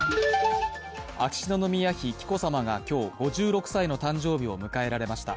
秋篠宮妃・紀子さまが今日、５６歳の誕生日を迎えられました。